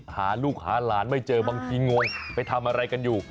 หาลูกหาหลานไม่เจอบางทีงงไปทำอะไรกันอยู่